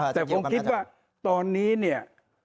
แต่ผมคิดว่าตอนนี้เนี่ย